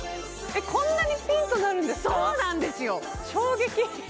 こんなにピーンとなるんですかそうなんですよ衝撃！